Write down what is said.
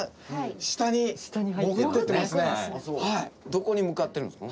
どこに向かってるんですか？